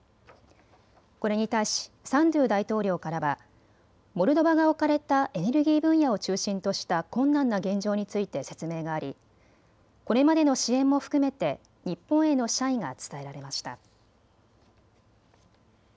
これに対しサンドゥ大統領からはモルドバが置かれたエネルギー分野を中心とした困難な現場について説明があり、これまでの支援も含めて日本への謝意が伝えられました。